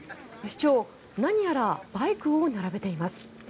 市長何やらバイクを並べています。